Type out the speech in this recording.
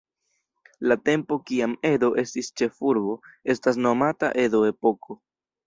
La tempo kiam Edo estis ĉefurbo, estas nomata Edo-epoko.